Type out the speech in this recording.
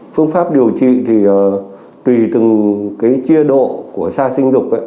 phương pháp điều trị thì tùy từng cái chia độ của sa sinh dục